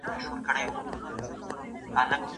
هغه د پښتو د عروضي شعر یو بې ساري استاد و.